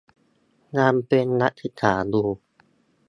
ยังเป็นนักศึกษาอยู่